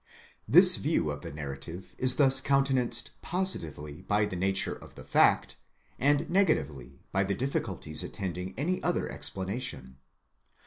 This view of the narrative is thus countenanced positively by the nature of the fact,—and negatively by the difficulties attending any other explanation.